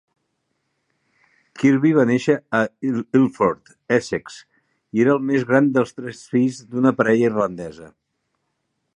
Kirby va néixer a Ilford, Essex, i era el més gran dels tres fills d'una parella irlandesa.